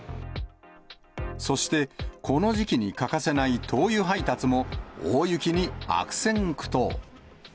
そして、この時期に欠かせない灯油配達も、大雪に悪戦苦闘。